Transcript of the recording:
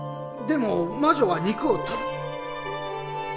でも魔女は肉を。